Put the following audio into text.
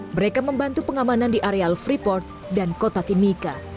mereka membantu pengamanan di areal freeport dan kota timika